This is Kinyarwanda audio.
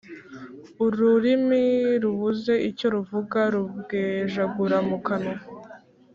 Ururimi rubuze icyo ruvuga rubwejagura mu kanwa.